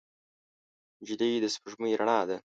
نجلۍ د سپوږمۍ رڼا ده.